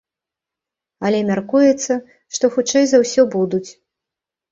Але мяркуецца, што хутчэй за ўсё будуць.